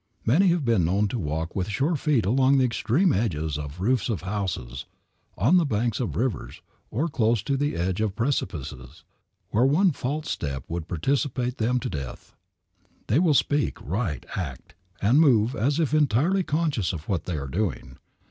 Many have been known to walk with sure feet along the extreme edges of roofs of houses, on the banks of rivers, or close to the edge of precipices, where one false step would precipitate them to death. They will speak, write, act, and move as if entirely conscious of what they are doing.